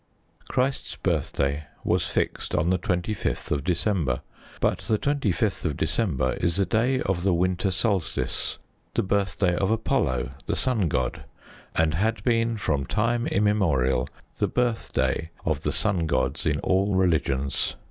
Christ's birthday was fixed on the 25th of December. But the 25th of December is the day of the Winter solstice the birthday, of Apollo, the Sun God and had been from time immemorial the birthday of the sun gods in all religions.